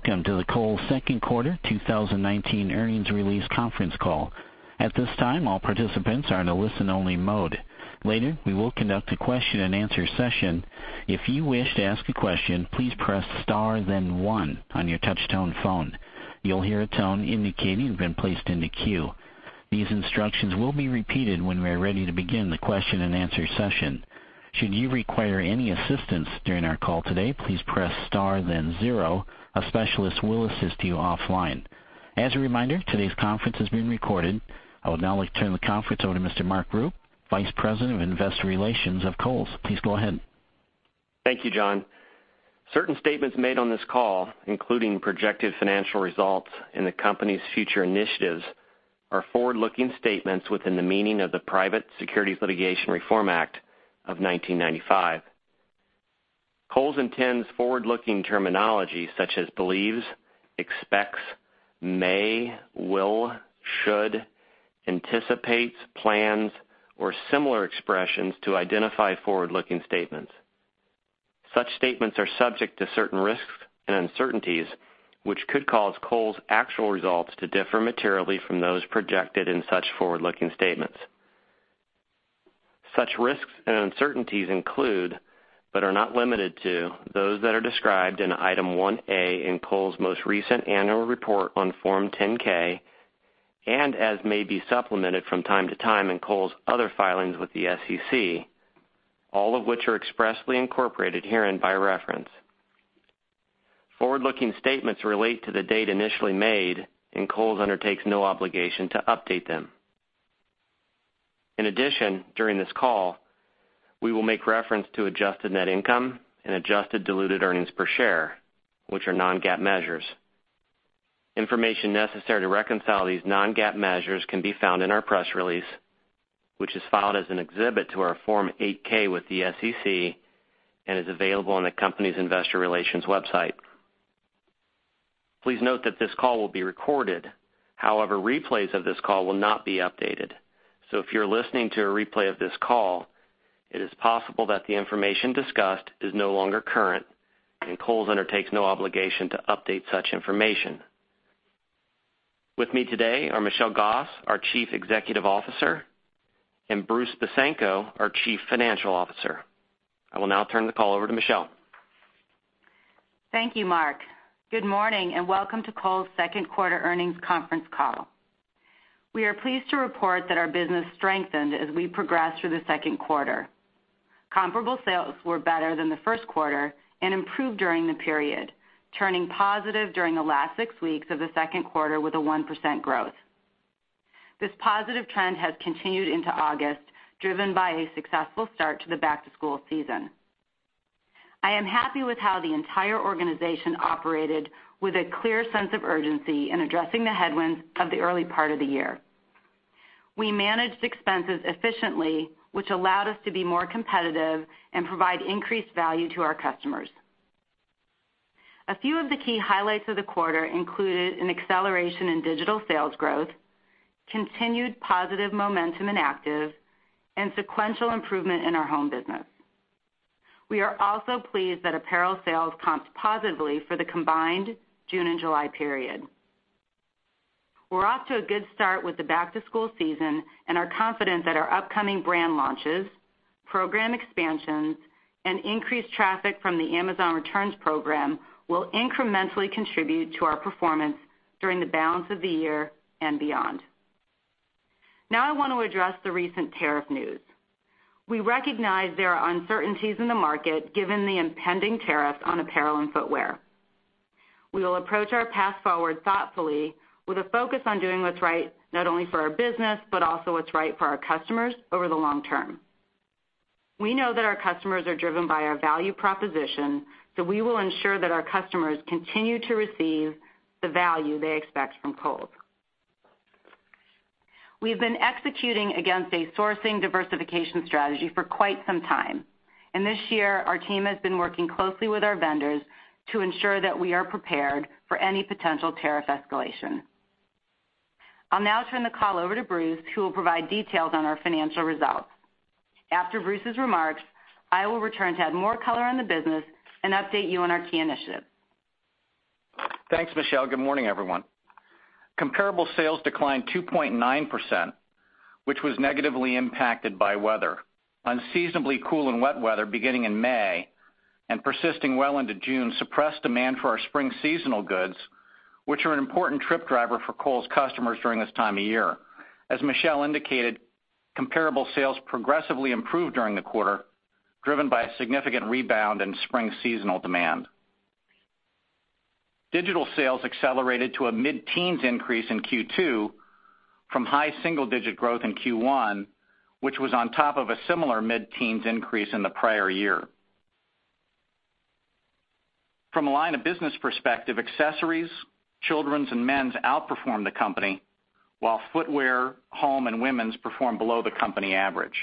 Welcome to the Kohl's second quarter 2019 earnings release conference call. At this time, all participants are in a listen-only mode. Later, we will conduct a question-and-answer session. If you wish to ask a question, please press star then one on your touch-tone phone. You'll hear a tone indicating you've been placed into queue. These instructions will be repeated when we are ready to begin the question-and-answer session. Should you require any assistance during our call today, please press star then zero. A specialist will assist you offline. As a reminder, today's conference is being recorded. I would now like to turn the conference over to Mr. Mark Rupe, Vice President of Investor Relations of Kohl's. Please go ahead. Thank you. Certain statements made on this call, including projected financial results and the company's future initiatives, are forward-looking statements within the meaning of the Private Securities Litigation Reform Act of 1995. Kohl's intends forward-looking terminology such as believes, expects, may, will, should, anticipates, plans, or similar expressions to identify forward-looking statements. Such statements are subject to certain risks and uncertainties, which could cause Kohl's actual results to differ materially from those projected in such forward-looking statements. Such risks and uncertainties include, but are not limited to, those that are described in item 1A in Kohl's most recent annual report on Form 10-K, and as may be supplemented from time to time in Kohl's other filings with the SEC, all of which are expressly incorporated herein by reference. Forward-looking statements relate to the date initially made, and Kohl's undertakes no obligation to update them. In addition, during this call, we will make reference to adjusted net income and adjusted diluted earnings per share, which are non-GAAP measures. Information necessary to reconcile these non-GAAP measures can be found in our press release, which is filed as an exhibit to our Form 8-K with the SEC and is available on the company's investor relations website. Please note that this call will be recorded. However, replays of this call will not be updated. If you're listening to a replay of this call, it is possible that the information discussed is no longer current, and Kohl's undertakes no obligation to update such information. With me today are Michelle Gass, our Chief Executive Officer, and Bruce Besanko, our Chief Financial Officer. I will now turn the call over to Michelle. Thank you, Mark. Good morning and welcome to Kohl's second quarter earnings conference call. We are pleased to report that our business strengthened as we progressed through the second quarter. Comparable sales were better than the first quarter and improved during the period, turning positive during the last six weeks of the second quarter with a 1% growth. This positive trend has continued into August, driven by a successful start to the back-to-school season. I am happy with how the entire organization operated, with a clear sense of urgency in addressing the headwinds of the early part of the year. We managed expenses efficiently, which allowed us to be more competitive and provide increased value to our customers. A few of the key highlights of the quarter included an acceleration in digital sales growth, continued positive momentum in active, and sequential improvement in our home business. We are also pleased that apparel sales comps positively for the combined June and July period. We're off to a good start with the back-to-school season and are confident that our upcoming brand launches, program expansions, and increased traffic from the Amazon Returns program will incrementally contribute to our performance during the balance of the year and beyond. Now, I want to address the recent tariff news. We recognize there are uncertainties in the market given the impending tariffs on apparel and footwear. We will approach our path forward thoughtfully with a focus on doing what's right not only for our business but also what's right for our customers over the long term. We know that our customers are driven by our value proposition, so we will ensure that our customers continue to receive the value they expect from Kohl's. We've been executing against a sourcing diversification strategy for quite some time, and this year, our team has been working closely with our vendors to ensure that we are prepared for any potential tariff escalation. I'll now turn the call over to Bruce, who will provide details on our financial results. After Bruce's remarks, I will return to add more color on the business and update you on our key initiatives. Thanks, Michelle. Good morning, everyone. Comparable sales declined 2.9%, which was negatively impacted by weather. Unseasonably cool and wet weather beginning in May and persisting well into June suppressed demand for our spring seasonal goods, which are an important trip driver for Kohl's customers during this time of year. As Michelle indicated, comparable sales progressively improved during the quarter, driven by a significant rebound in spring seasonal demand. Digital sales accelerated to a mid-teens increase in Q2 from high single-digit growth in Q1, which was on top of a similar mid-teens increase in the prior year. From a line of business perspective, accessories, children's, and men's outperformed the company, while footwear, home, and women's performed below the company average.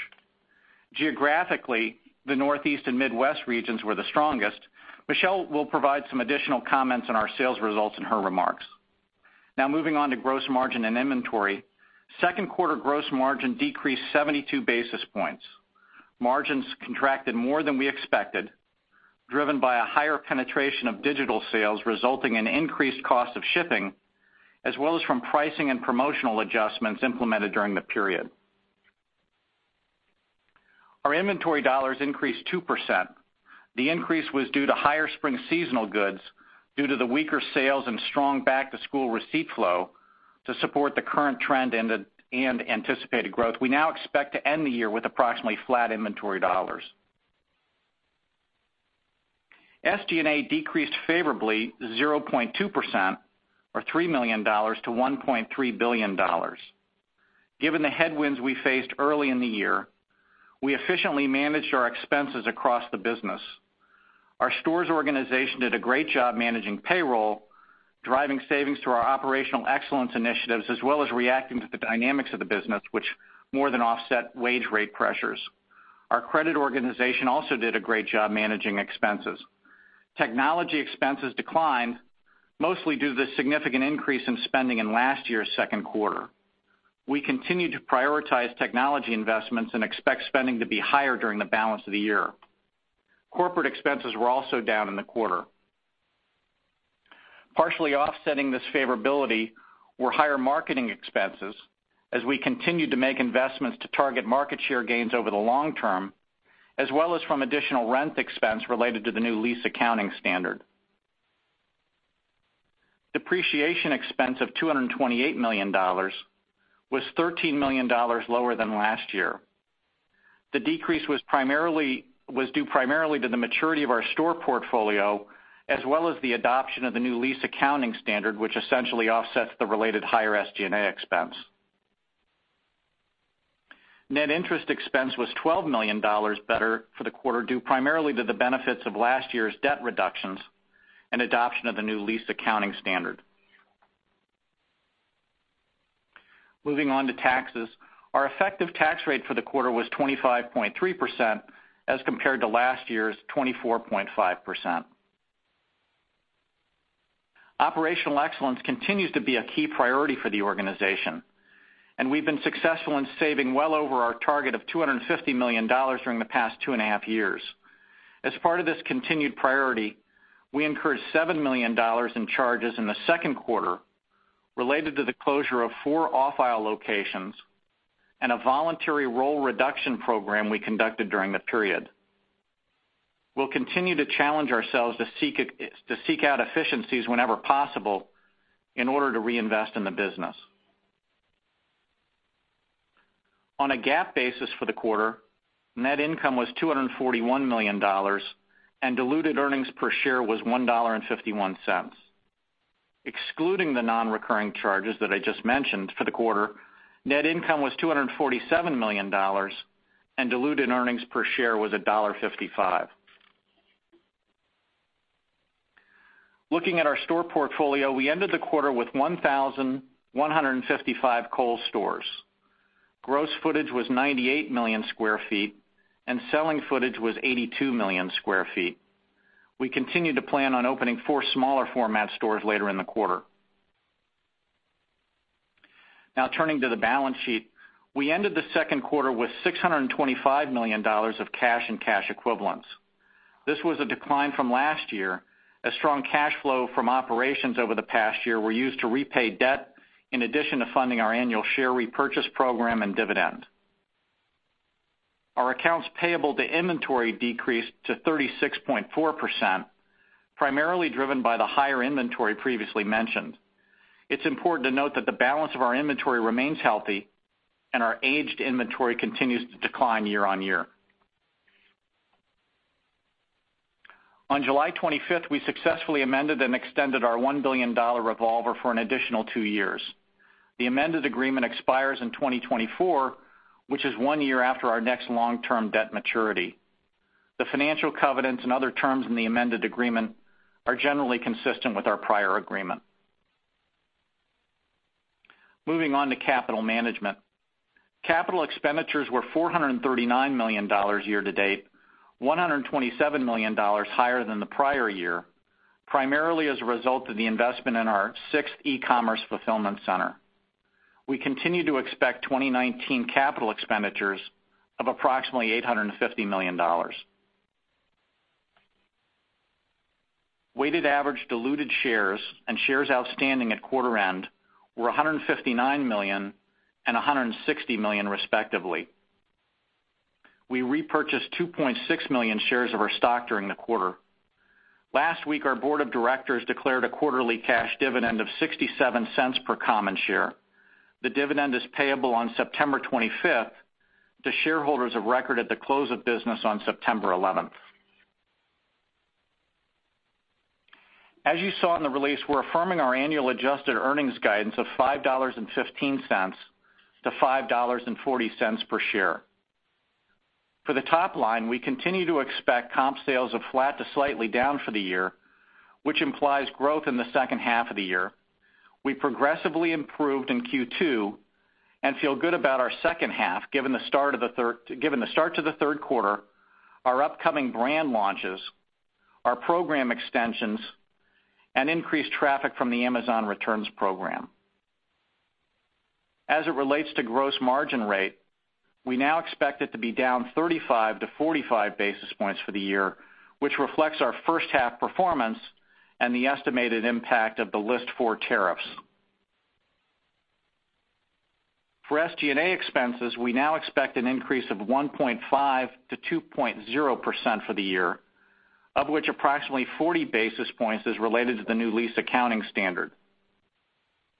Geographically, the Northeast and Midwest regions were the strongest. Michelle will provide some additional comments on our sales results in her remarks. Now, moving on to gross margin and inventory, second quarter gross margin decreased 72 basis points. Margins contracted more than we expected, driven by a higher penetration of digital sales resulting in increased cost of shipping, as well as from pricing and promotional adjustments implemented during the period. Our inventory dollars increased 2%. The increase was due to higher spring seasonal goods due to the weaker sales and strong back-to-school receipt flow to support the current trend and anticipated growth. We now expect to end the year with approximately flat inventory dollars. SG&A decreased favorably 0.2%, or $3 million, to $1.3 billion. Given the headwinds we faced early in the year, we efficiently managed our expenses across the business. Our stores organization did a great job managing payroll, driving savings through our operational excellence initiatives, as well as reacting to the dynamics of the business, which more than offset wage rate pressures. Our credit organization also did a great job managing expenses. Technology expenses declined, mostly due to the significant increase in spending in last year's second quarter. We continue to prioritize technology investments and expect spending to be higher during the balance of the year. Corporate expenses were also down in the quarter. Partially offsetting this favorability were higher marketing expenses as we continued to make investments to target market share gains over the long term, as well as from additional rent expense related to the new lease accounting standard. Depreciation expense of $228 million was $13 million lower than last year. The decrease was due primarily to the maturity of our store portfolio, as well as the adoption of the new lease accounting standard, which essentially offsets the related higher SG&A expense. Net interest expense was $12 million better for the quarter, due primarily to the benefits of last year's debt reductions and adoption of the new lease accounting standard. Moving on to taxes, our effective tax rate for the quarter was 25.3% as compared to last year's 24.5%. Operational excellence continues to be a key priority for the organization, and we've been successful in saving well over our target of $250 million during the past two and a half years. As part of this continued priority, we incurred $7 million in charges in the second quarter related to the closure of four off-isle locations and a voluntary roll reduction program we conducted during the period. We'll continue to challenge ourselves to seek out efficiencies whenever possible in order to reinvest in the business. On a GAAP basis for the quarter, net income was $241 million, and diluted earnings per share was $1.51. Excluding the non-recurring charges that I just mentioned for the quarter, net income was $247 million, and diluted earnings per share was $1.55. Looking at our store portfolio, we ended the quarter with 1,155 Kohl's stores. Gross footage was 98 million sq ft, and selling footage was 82 million sq ft. We continue to plan on opening four smaller format stores later in the quarter. Now, turning to the balance sheet, we ended the second quarter with $625 million of cash and cash equivalents. This was a decline from last year, as strong cash flow from operations over the past year were used to repay debt in addition to funding our annual share repurchase program and dividend. Our accounts payable to inventory decreased to 36.4%, primarily driven by the higher inventory previously mentioned. It's important to note that the balance of our inventory remains healthy, and our aged inventory continues to decline year-on-year. On July 25th, we successfully amended and extended our $1 billion revolver for an additional two years. The amended agreement expires in 2024, which is one year after our next long-term debt maturity. The financial covenants and other terms in the amended agreement are generally consistent with our prior agreement. Moving on to capital management. Capital expenditures were $439 million year-to-date, $127 million higher than the prior year, primarily as a result of the investment in our sixth e-commerce fulfillment center. We continue to expect 2019 capital expenditures of approximately $850 million. Weighted average diluted shares and shares outstanding at quarter end were 159 million and 160 million, respectively. We repurchased 2.6 million shares of our stock during the quarter. Last week, our board of directors declared a quarterly cash dividend of $0.67 per common share. The dividend is payable on September 25th to shareholders of record at the close of business on September 11th. As you saw in the release, we're affirming our annual adjusted earnings guidance of $5.15-$5.40 per share. For the top line, we continue to expect comp sales of flat to slightly down for the year, which implies growth in the second half of the year. We progressively improved in Q2 and feel good about our second half given the start of the third quarter, our upcoming brand launches, our program extensions, and increased traffic from the Amazon Returns program. As it relates to gross margin rate, we now expect it to be down 35 basis points-45 basis points for the year, which reflects our first-half performance and the estimated impact of the list four tariffs. For SG&A expenses, we now expect an increase of 1.5%-2.0% for the year, of which approximately 40 basis points is related to the new lease accounting standard.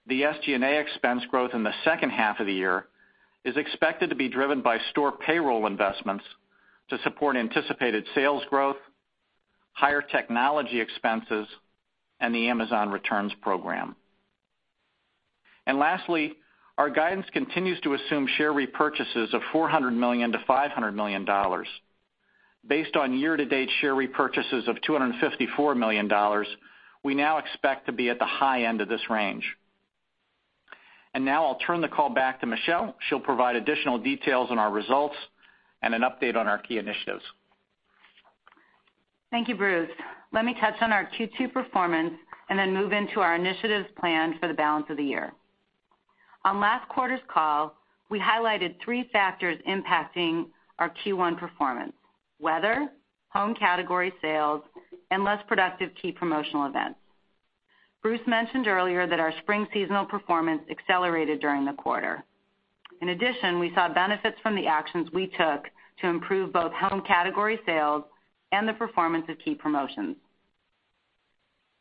The SG&A expense growth in the second half of the year is expected to be driven by store payroll investments to support anticipated sales growth, higher technology expenses, and the Amazon Returns program. Lastly, our guidance continues to assume share repurchases of $400 million-$500 million. Based on year-to-date share repurchases of $254 million, we now expect to be at the high end of this range. I will now turn the call back to Michelle. She will provide additional details on our results and an update on our key initiatives. Thank you, Bruce. Let me touch on our Q2 performance and then move into our initiatives planned for the balance of the year. On last quarter's call, we highlighted three factors impacting our Q1 performance: weather, home category sales, and less productive key promotional events. Bruce mentioned earlier that our spring seasonal performance accelerated during the quarter. In addition, we saw benefits from the actions we took to improve both home category sales and the performance of key promotions.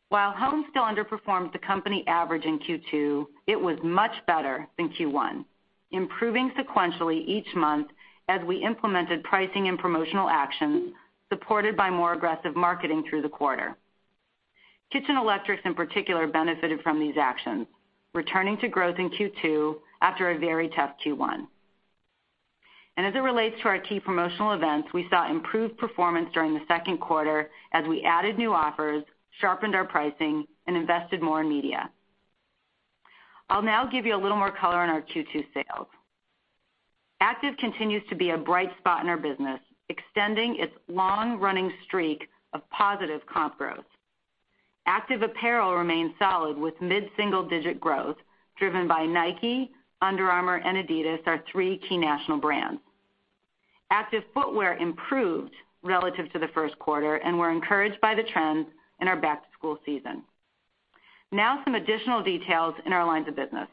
While home still underperformed the company average in Q2, it was much better than Q1, improving sequentially each month as we implemented pricing and promotional actions supported by more aggressive marketing through the quarter. Kitchen Electrics, in particular, benefited from these actions, returning to growth in Q2 after a very tough Q1. As it relates to our key promotional events, we saw improved performance during the second quarter as we added new offers, sharpened our pricing, and invested more in media. I'll now give you a little more color on our Q2 sales. Active continues to be a bright spot in our business, extending its long-running streak of positive comp growth. Active apparel remained solid with mid-single-digit growth driven by Nike, Under Armour, and Adidas, our three key national brands. Active footwear improved relative to the first quarter and we are encouraged by the trends in our back-to-school season. Now, some additional details in our lines of business.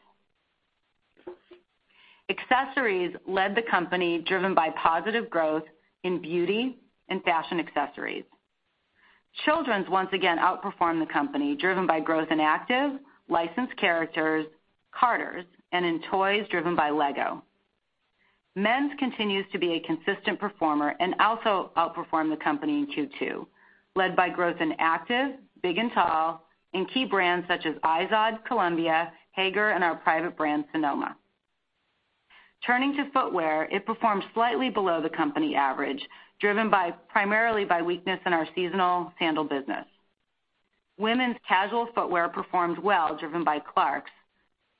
Accessories led the company, driven by positive growth in beauty and fashion accessories. Children's once again outperformed the company, driven by growth in active, licensed characters, Carter's, and in toys, driven by Lego. Men's continues to be a consistent performer and also outperformed the company in Q2, led by growth in active, big and tall, and key brands such as Izod, Columbia, Haggar, and our private brand, Sonoma. Turning to footwear, it performed slightly below the company average, driven primarily by weakness in our seasonal sandal business. Women's casual footwear performed well, driven by Clarks,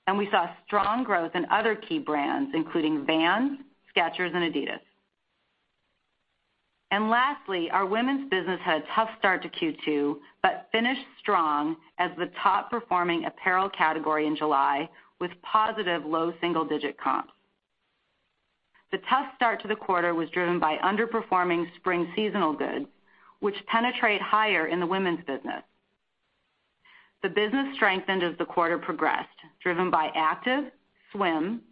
and we saw strong growth in other key brands, including Vans, Skechers, and Adidas. Lastly, our women's business had a tough start to Q2 but finished strong as the top-performing apparel category in July with positive low single-digit comps. The tough start to the quarter was driven by underperforming spring seasonal goods, which penetrate higher in the women's business. The business strengthened as the quarter progressed, driven by active, swim,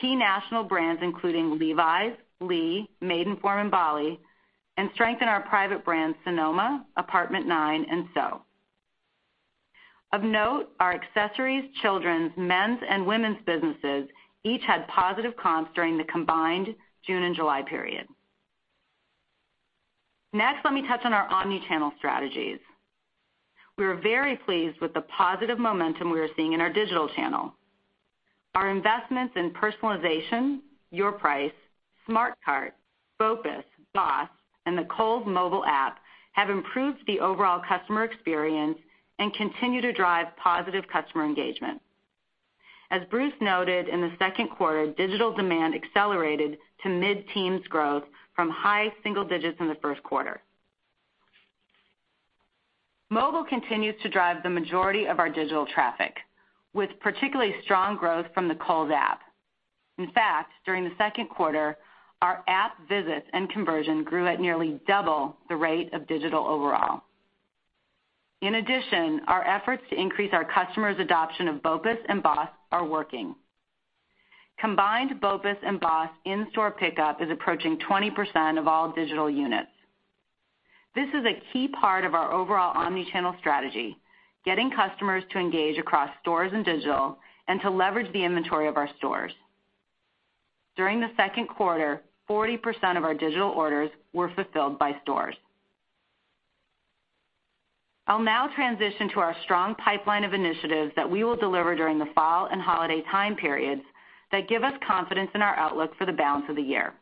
key national brands including Levi's, Lee, Maidenform, and Bali, and strengthened our private brands, Sonoma, Apartment 9, and SO. Of note, our accessories, children's, men's, and women's businesses each had positive comps during the combined June and July period. Next, let me touch on our omnichannel strategies. We are very pleased with the positive momentum we are seeing in our digital channel. Our investments in personalization, your price, SmartCart, BOPUS, BOSS, and the Kohl's mobile app have improved the overall customer experience and continue to drive positive customer engagement. As Bruce noted, in the second quarter, digital demand accelerated to mid-teens growth from high single digits in the first quarter. Mobile continues to drive the majority of our digital traffic, with particularly strong growth from the Kohl's app. In fact, during the second quarter, our app visits and conversion grew at nearly double the rate of digital overall. In addition, our efforts to increase our customers' adoption of BOPUS and BOSS are working. Combined BOPUS and BOSS in-store pickup is approaching 20% of all digital units. This is a key part of our overall omnichannel strategy, getting customers to engage across stores and digital and to leverage the inventory of our stores. During the second quarter, 40% of our digital orders were fulfilled by stores. I'll now transition to our strong pipeline of initiatives that we will deliver during the fall and holiday time periods that give us confidence in our outlook for the balance of the year.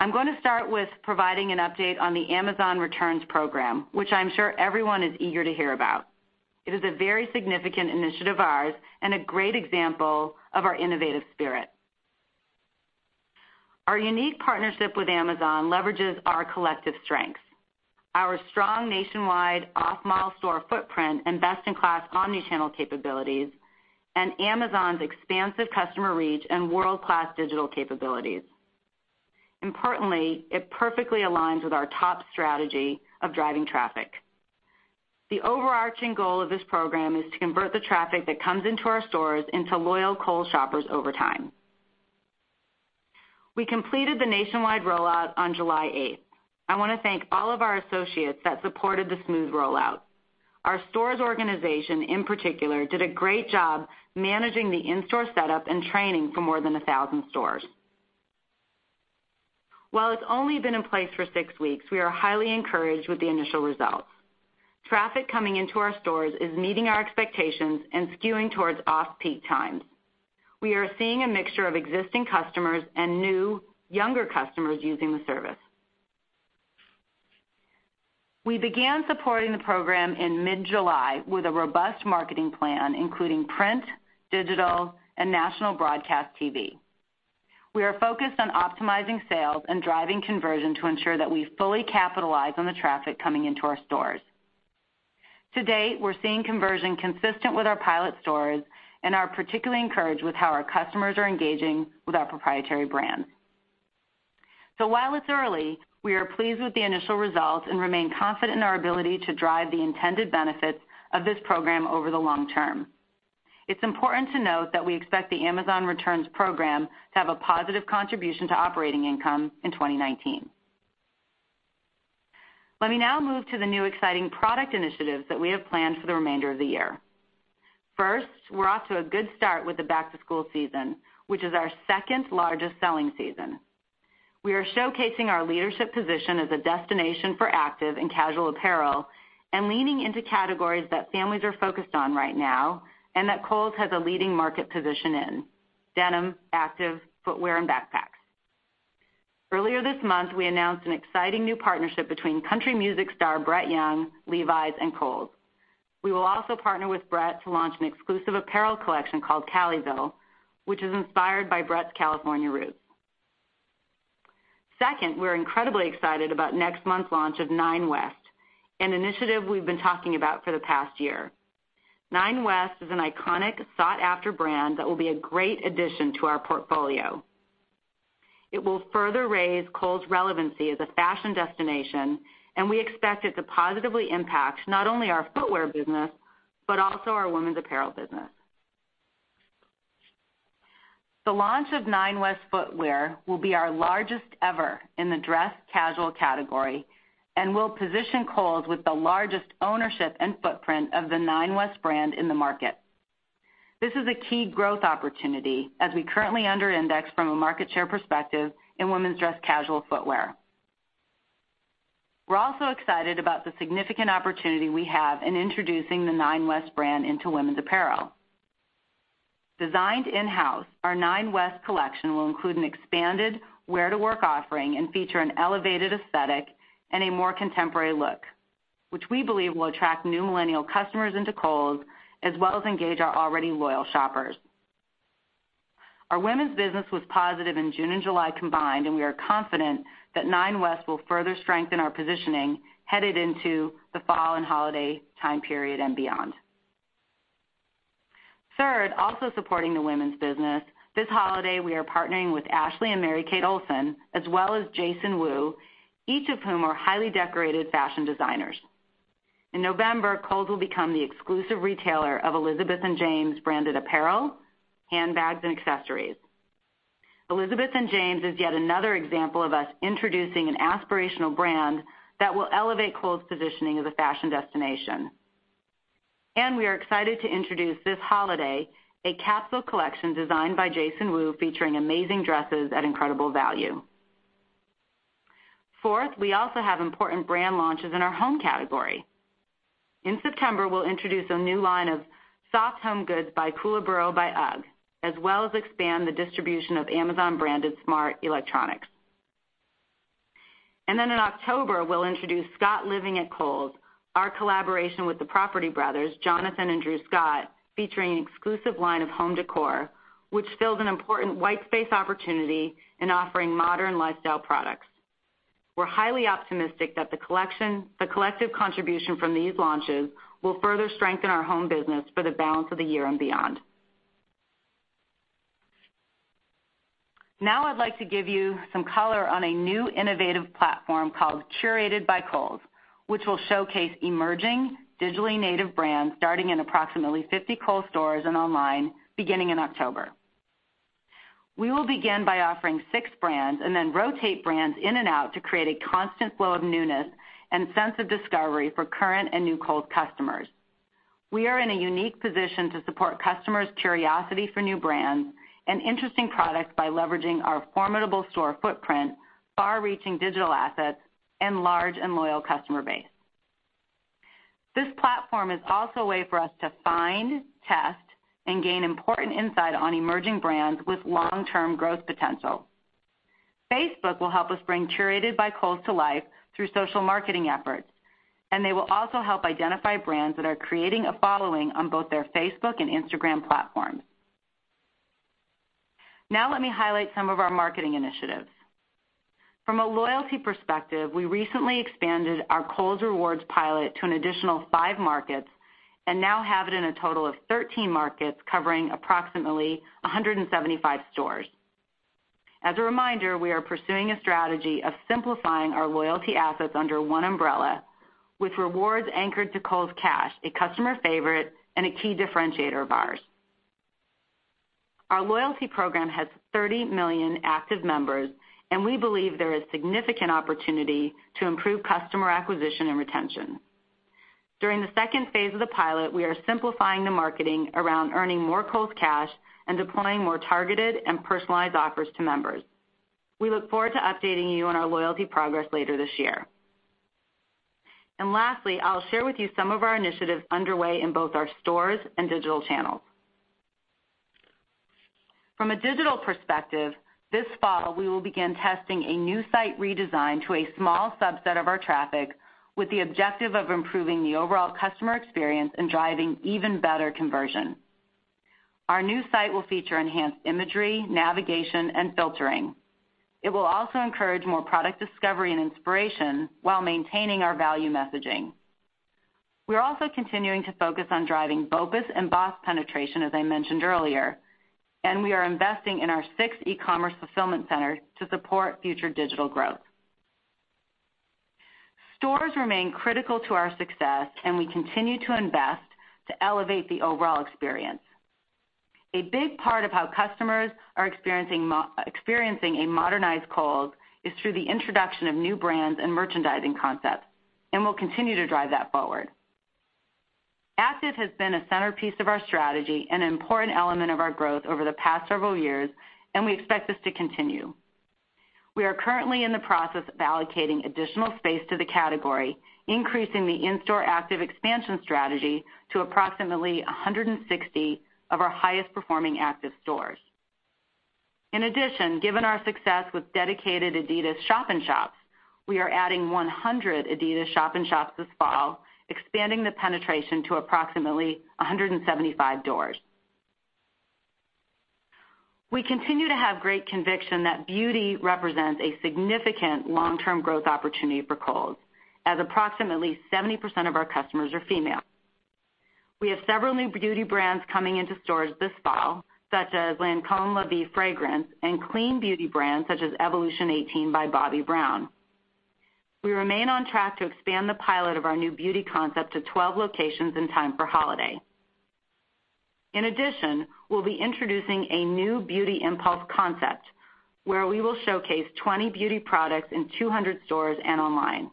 I'm going to start with providing an update on the Amazon Returns program, which I'm sure everyone is eager to hear about. It is a very significant initiative of ours and a great example of our innovative spirit. Our unique partnership with Amazon leverages our collective strengths: our strong nationwide off-mall store footprint and best-in-class omnichannel capabilities, and Amazon's expansive customer reach and world-class digital capabilities. Importantly, it perfectly aligns with our top strategy of driving traffic. The overarching goal of this program is to convert the traffic that comes into our stores into loyal Kohl's shoppers over time. We completed the nationwide rollout on July 8th. I want to thank all of our associates that supported the smooth rollout. Our stores organization, in particular, did a great job managing the in-store setup and training for more than 1,000 stores. While it's only been in place for six weeks, we are highly encouraged with the initial results. Traffic coming into our stores is meeting our expectations and skewing towards off-peak times. We are seeing a mixture of existing customers and new, younger customers using the service. We began supporting the program in mid-July with a robust marketing plan, including print, digital, and national broadcast TV. We are focused on optimizing sales and driving conversion to ensure that we fully capitalize on the traffic coming into our stores. To date, we're seeing conversion consistent with our pilot stores and are particularly encouraged with how our customers are engaging with our proprietary brands. While it's early, we are pleased with the initial results and remain confident in our ability to drive the intended benefits of this program over the long term. It's important to note that we expect the Amazon Returns program to have a positive contribution to operating income in 2019. Let me now move to the new exciting product initiatives that we have planned for the remainder of the year. First, we're off to a good start with the back-to-school season, which is our second largest selling season. We are showcasing our leadership position as a destination for active and casual apparel and leaning into categories that families are focused on right now and that Kohl's has a leading market position in: denim, active, footwear, and backpacks. Earlier this month, we announced an exciting new partnership between country music star Brett Young, Levi's, and Kohl's. We will also partner with Brett to launch an exclusive apparel collection called Caliville, which is inspired by Brett's California roots. Second, we're incredibly excited about next month's launch of Nine West, an initiative we've been talking about for the past year. Nine West is an iconic, sought-after brand that will be a great addition to our portfolio. It will further raise Kohl's relevancy as a fashion destination, and we expect it to positively impact not only our footwear business but also our women's apparel business. The launch of Nine West Footwear will be our largest ever in the dress casual category and will position Kohl's with the largest ownership and footprint of the Nine West brand in the market. This is a key growth opportunity as we currently underindex from a market share perspective in women's dress casual footwear. We're also excited about the significant opportunity we have in introducing the Nine West brand into women's apparel. Designed in-house, our Nine West collection will include an expanded wear-to-work offering and feature an elevated aesthetic and a more contemporary look, which we believe will attract new millennial customers into Kohl's as well as engage our already loyal shoppers. Our women's business was positive in June and July combined, and we are confident that Nine West will further strengthen our positioning headed into the fall and holiday time period and beyond. Third, also supporting the women's business, this holiday we are partnering with Ashley and Mary-Kate Olsen, as well as Jason Wu, each of whom are highly decorated fashion designers. In November, Kohl's will become the exclusive retailer of Elizabeth and James branded apparel, handbags, and accessories. Elizabeth and James is yet another example of us introducing an aspirational brand that will elevate Kohl's positioning as a fashion destination. We are excited to introduce this holiday a capsule collection designed by Jason Wu featuring amazing dresses at incredible value. Fourth, we also have important brand launches in our home category. In September, we'll introduce a new line of soft home goods by Koolaburra by UGG, as well as expand the distribution of Amazon-branded smart electronics. In October, we'll introduce Scott Living at Kohl's, our collaboration with the Property Brothers, Jonathan and Drew Scott, featuring an exclusive line of home decor, which fills an important white space opportunity in offering modern lifestyle products. We're highly optimistic that the collective contribution from these launches will further strengthen our home business for the balance of the year and beyond. Now I'd like to give you some color on a new innovative platform called Curated by Kohl's, which will showcase emerging digitally native brands starting in approximately 50 Kohl's stores and online beginning in October. We will begin by offering six brands and then rotate brands in and out to create a constant flow of newness and sense of discovery for current and new Kohl's customers. We are in a unique position to support customers' curiosity for new brands and interesting products by leveraging our formidable store footprint, far-reaching digital assets, and large and loyal customer base. This platform is also a way for us to find, test, and gain important insight on emerging brands with long-term growth potential. Facebook will help us bring Curated by Kohl's to life through social marketing efforts, and they will also help identify brands that are creating a following on both their Facebook and Instagram platforms. Now let me highlight some of our marketing initiatives. From a loyalty perspective, we recently expanded our Kohl's Rewards pilot to an additional five markets and now have it in a total of 13 markets covering approximately 175 stores. As a reminder, we are pursuing a strategy of simplifying our loyalty assets under one umbrella, with rewards anchored to Kohl's Cash, a customer favorite, and a key differentiator of ours. Our loyalty program has 30 million active members, and we believe there is significant opportunity to improve customer acquisition and retention. During the second phase of the pilot, we are simplifying the marketing around earning more Kohl's Cash and deploying more targeted and personalized offers to members. We look forward to updating you on our loyalty progress later this year. Lastly, I'll share with you some of our initiatives underway in both our stores and digital channels. From a digital perspective, this fall we will begin testing a new site redesigned to a small subset of our traffic with the objective of improving the overall customer experience and driving even better conversion. Our new site will feature enhanced imagery, navigation, and filtering. It will also encourage more product discovery and inspiration while maintaining our value messaging. We're also continuing to focus on driving BOPUS and BOSS penetration, as I mentioned earlier, and we are investing in our six e-commerce fulfillment centers to support future digital growth. Stores remain critical to our success, and we continue to invest to elevate the overall experience. A big part of how customers are experiencing a modernized Kohl's is through the introduction of new brands and merchandising concepts, and we'll continue to drive that forward. Active has been a centerpiece of our strategy and an important element of our growth over the past several years, and we expect this to continue. We are currently in the process of allocating additional space to the category, increasing the in-store active expansion strategy to approximately 160 of our highest-performing active stores. In addition, given our success with dedicated Adidas shop-in-shops, we are adding 100 Adidas shop-in-shops this fall, expanding the penetration to approximately 175 doors. We continue to have great conviction that beauty represents a significant long-term growth opportunity for Kohl's, as approximately 70% of our customers are female. We have several new beauty brands coming into stores this fall, such as Lancôme La Vie fragrance and clean beauty brands such as Evolution_18 by Bobby Brown. We remain on track to expand the pilot of our new beauty concept to 12 locations in time for holiday. In addition, we will be introducing a new beauty impulse concept where we will showcase 20 beauty products in 200 stores and online.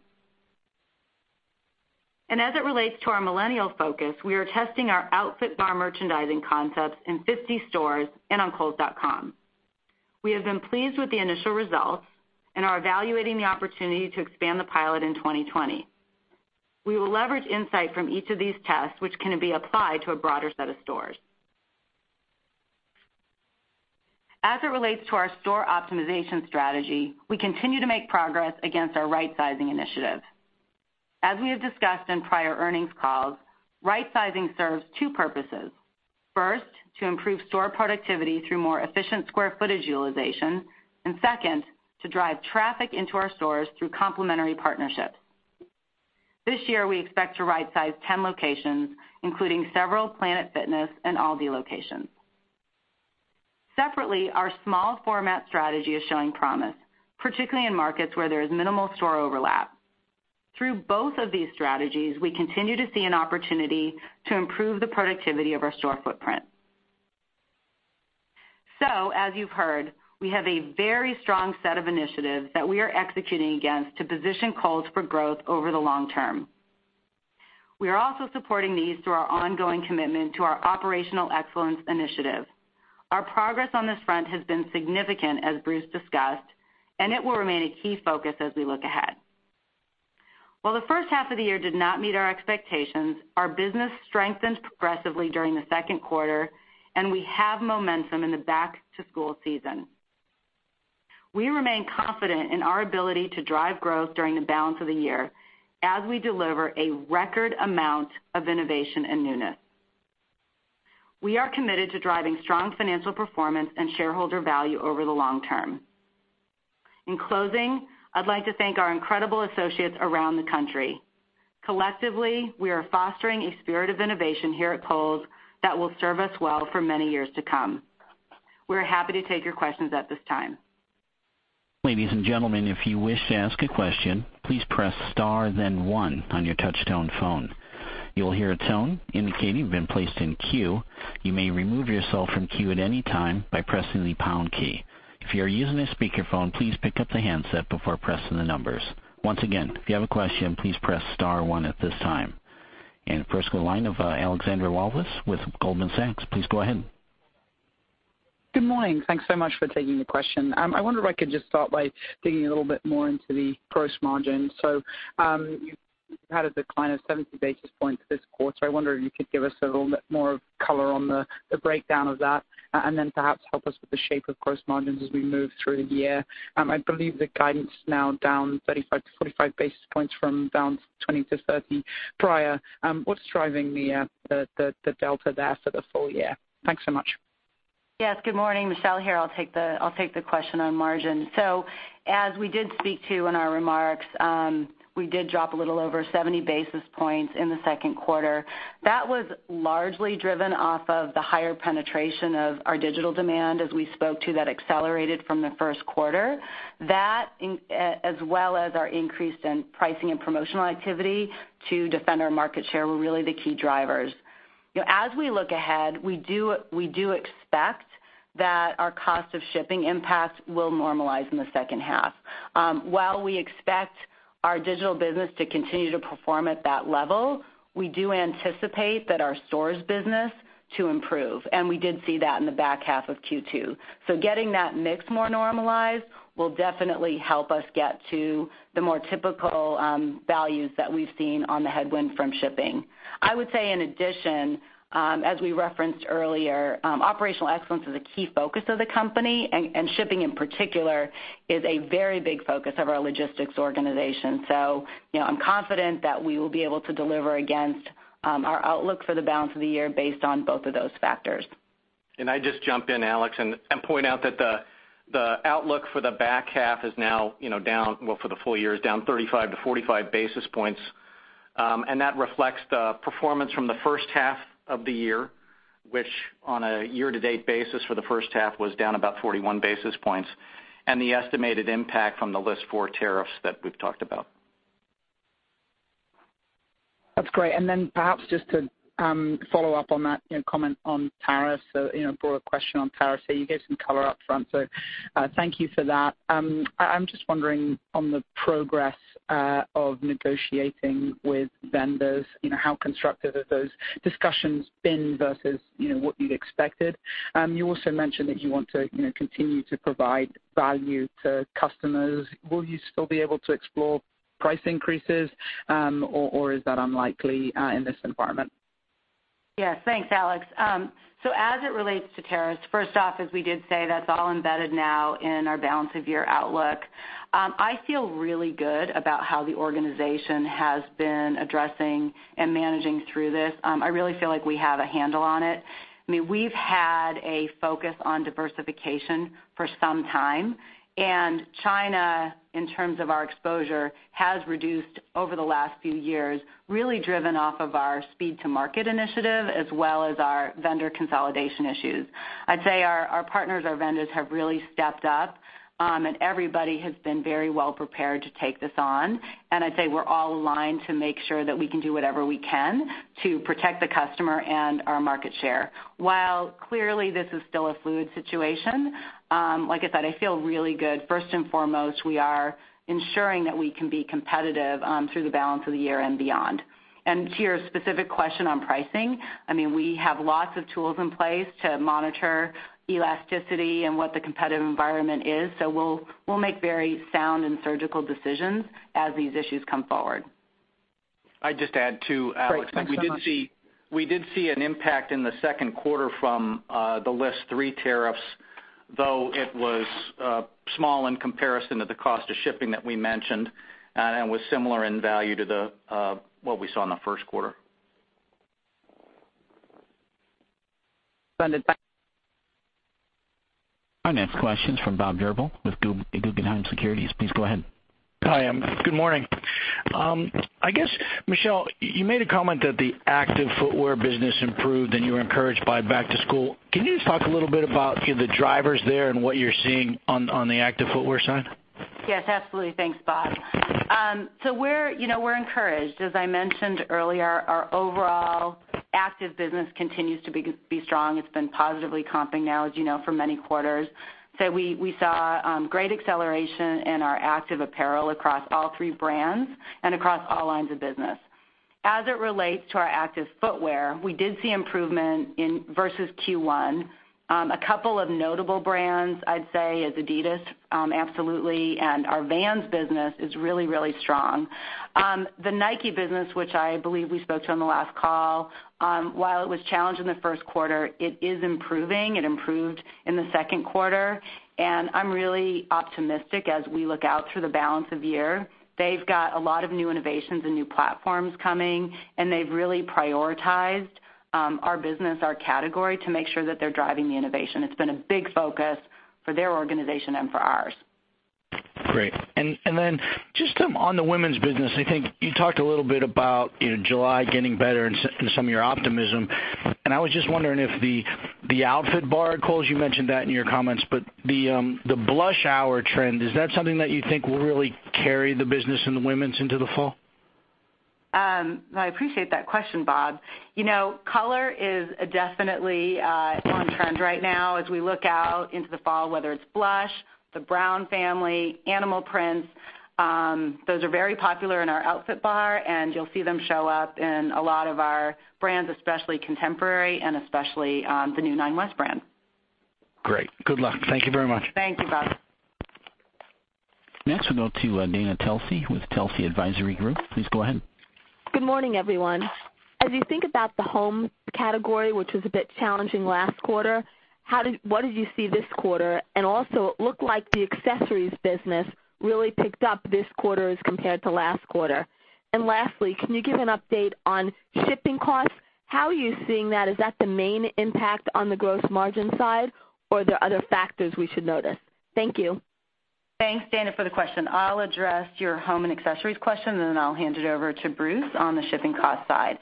As it relates to our millennial focus, we are testing our outfit bar merchandising concepts in 50 stores and on Kohls.com. We have been pleased with the initial results and are evaluating the opportunity to expand the pilot in 2020. We will leverage insight from each of these tests, which can be applied to a broader set of stores. As it relates to our store optimization strategy, we continue to make progress against our right-sizing initiative. As we have discussed in prior earnings calls, right-sizing serves two purposes. First, to improve store productivity through more efficient square footage utilization, and second, to drive traffic into our stores through complementary partnerships. This year, we expect to right-size 10 locations, including several Planet Fitness and Aldi locations. Separately, our small-format strategy is showing promise, particularly in markets where there is minimal store overlap. Through both of these strategies, we continue to see an opportunity to improve the productivity of our store footprint. As you have heard, we have a very strong set of initiatives that we are executing against to position Kohl's for growth over the long term. We are also supporting these through our ongoing commitment to our operational excellence initiative. Our progress on this front has been significant, as Bruce discussed, and it will remain a key focus as we look ahead. While the first half of the year did not meet our expectations, our business strengthened progressively during the second quarter, and we have momentum in the back-to-school season. We remain confident in our ability to drive growth during the balance of the year as we deliver a record amount of innovation and newness. We are committed to driving strong financial performance and shareholder value over the long term. In closing, I'd like to thank our incredible associates around the country. Collectively, we are fostering a spirit of innovation here at Kohl's that will serve us well for many years to come. We're happy to take your questions at this time. Ladies and gentlemen, if you wish to ask a question, please press star, then one on your touch-tone phone. You'll hear a tone indicating you've been placed in queue. You may remove yourself from queue at any time by pressing the pound key. If you're using a speakerphone, please pick up the handset before pressing the numbers. Once again, if you have a question, please press star, one at this time. First, we'll have Alexander Wallace with Goldman Sachs. Please go ahead. Good morning. Thanks so much for taking the question. I wonder if I could just start by digging a little bit more into the gross margin. You had a decline of 70 basis points this quarter. I wonder if you could give us a little bit more color on the breakdown of that and then perhaps help us with the shape of gross margins as we move through the year. I believe the guidance is now down 35 basis points-45 basis points from down 20-30 prior. What's driving the delta there for the full year? Thanks so much. Yes. Good morning. Michelle here. I'll take the question on margin. As we did speak to in our remarks, we did drop a little over 70 basis points in the second quarter. That was largely driven off of the higher penetration of our digital demand, as we spoke to, that accelerated from the first quarter. That, as well as our increase in pricing and promotional activity to defend our market share, were really the key drivers. As we look ahead, we do expect that our cost of shipping impact will normalize in the second half. While we expect our digital business to continue to perform at that level, we do anticipate that our stores' business to improve, and we did see that in the back half of Q2. Getting that mix more normalized will definitely help us get to the more typical values that we've seen on the headwind from shipping. I would say, in addition, as we referenced earlier, operational excellence is a key focus of the company, and shipping in particular is a very big focus of our logistics organization. I'm confident that we will be able to deliver against our outlook for the balance of the year based on both of those factors. I just jump in, Alex, and point out that the outlook for the back half is now down, well, for the full year, is down 35 basis points-45 basis points. That reflects the performance from the first half of the year, which on a year-to-date basis for the first half was down about 41 basis points and the estimated impact from the list four tariffs that we've talked about. That's great. Perhaps just to follow up on that comment on tariffs, a broader question on tariffs. You gave some color upfront, so thank you for that. I'm just wondering on the progress of negotiating with vendors, how constructive have those discussions been versus what you'd expected? You also mentioned that you want to continue to provide value to customers. Will you still be able to explore price increases, or is that unlikely in this environment? Yes. Thanks, Alex. As it relates to tariffs, first off, as we did say, that's all embedded now in our balance of year outlook. I feel really good about how the organization has been addressing and managing through this. I really feel like we have a handle on it. I mean, we've had a focus on diversification for some time, and China, in terms of our exposure, has reduced over the last few years, really driven off of our speed-to-market initiative as well as our vendor consolidation issues. I'd say our partners, our vendors have really stepped up, and everybody has been very well prepared to take this on. I'd say we're all aligned to make sure that we can do whatever we can to protect the customer and our market share. While clearly this is still a fluid situation, like I said, I feel really good. First and foremost, we are ensuring that we can be competitive through the balance of the year and beyond. To your specific question on pricing, I mean, we have lots of tools in place to monitor elasticity and what the competitive environment is. We will make very sound and surgical decisions as these issues come forward. I'd just add to Alex. Thank you. We did see an impact in the second quarter from the list three tariffs, though it was small in comparison to the cost of shipping that we mentioned and was similar in value to what we saw in the first quarter. Funded. Finance questions from Bob Drbul with Guggenheim Securities. Please go ahead. Hi. Good morning. I guess, Michelle, you made a comment that the active footwear business improved and you were encouraged by back-to-school. Can you just talk a little bit about the drivers there and what you're seeing on the active footwear side? Yes. Absolutely. Thanks, Bob. We are encouraged. As I mentioned earlier, our overall active business continues to be strong. It's been positively comping now, as you know, for many quarters. We saw great acceleration in our active apparel across all three brands and across all lines of business. As it relates to our active footwear, we did see improvement versus Q1. A couple of notable brands, I'd say, is Adidas, absolutely, and our Vans business is really, really strong. The Nike business, which I believe we spoke to on the last call, while it was challenged in the first quarter, it is improving. It improved in the second quarter. I'm really optimistic as we look out through the balance of year. They've got a lot of new innovations and new platforms coming, and they've really prioritized our business, our category, to make sure that they're driving the innovation. It's been a big focus for their organization and for ours. Great. Just on the women's business, I think you talked a little bit about July getting better and some of your optimism. I was just wondering if the outfit bar, Kohl's—you mentioned that in your comments—but the blush hour trend, is that something that you think will really carry the business and the women's into the fall? I appreciate that question, Bob. Color is definitely on trend right now as we look out into the fall, whether it's blush, the Brown family, animal prints. Those are very popular in our outfit bar, and you'll see them show up in a lot of our brands, especially Contemporary and especially the new Nine West brand. Great. Good luck. Thank you very much. Thank you, Bob. Next, we'll go to Dana Telsey with Telsey Advisory Group. Please go ahead. Good morning, everyone. As you think about the home category, which was a bit challenging last quarter, what did you see this quarter? Also, it looked like the accessories business really picked up this quarter as compared to last quarter. Lastly, can you give an update on shipping costs? How are you seeing that? Is that the main impact on the gross margin side, or are there other factors we should notice? Thank you. Thanks, Dana, for the question. I'll address your home and accessories question, and then I'll hand it over to Bruce on the shipping cost side.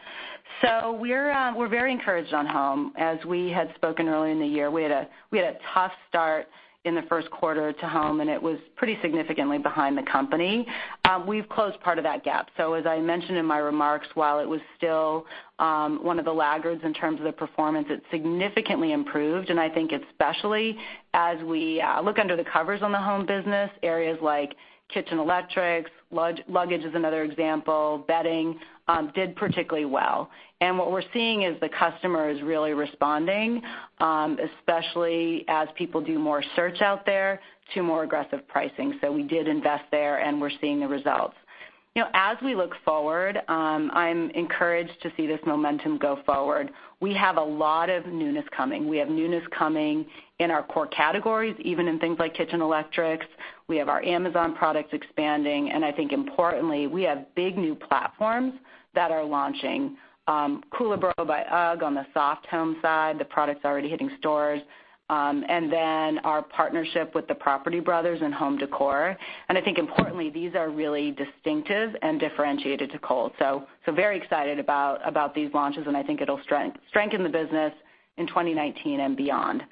We're very encouraged on home. As we had spoken earlier in the year, we had a tough start in the first quarter to home, and it was pretty significantly behind the company. We've closed part of that gap. As I mentioned in my remarks, while it was still one of the laggards in terms of the performance, it significantly improved. I think especially as we look under the covers on the home business, areas like kitchen electrics, luggage is another example, bedding did particularly well. What we're seeing is the customer is really responding, especially as people do more search out there to more aggressive pricing. We did invest there, and we're seeing the results. As we look forward, I'm encouraged to see this momentum go forward. We have a lot of newness coming. We have newness coming in our core categories, even in things like kitchen electrics. We have our Amazon products expanding. I think, importantly, we have big new platforms that are launching: Koolaburra by UGG on the soft home side. The product's already hitting stores. Our partnership with the Property Brothers and Home Décor is also launching. I think, importantly, these are really distinctive and differentiated to Kohl's. Very excited about these launches, and I think it'll strengthen the business in 2019 and beyond.